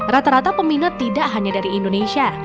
rata rata peminat tidak hanya dari indonesia